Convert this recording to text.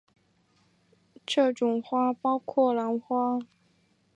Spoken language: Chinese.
这种花包括兰花。